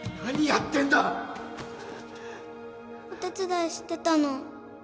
お手伝いしてたの